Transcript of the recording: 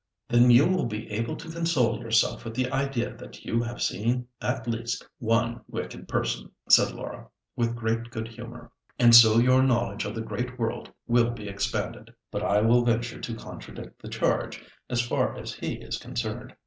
"Then you will be able to console yourself with the idea that you have seen at least one wicked person," said Laura, with great good humour; "and so your knowledge of the great world will be expanded. But I will venture to contradict the charge, as far as he is concerned.